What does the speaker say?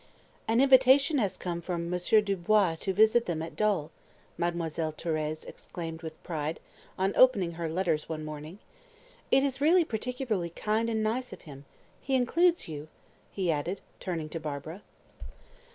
"An invitation has come from Monsieur Dubois to visit them at Dol," Mademoiselle Thérèse exclaimed with pride, on opening her letters one morning. "It is really particularly kind and nice of him. He includes you," she added, turning to Barbara.